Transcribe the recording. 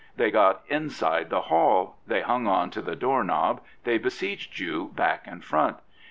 They got inside the hall; they hung on to the door knob; they besieged you back and front.